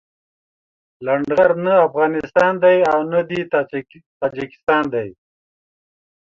لنډغر نه افغانستان دي او نه د تاجيکستان دي.